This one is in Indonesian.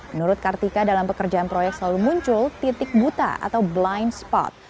menurut kartika dalam pekerjaan proyek selalu muncul titik buta atau blind spot